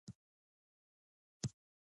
د بېلګې په توګه یو حالت په پام کې نیسو.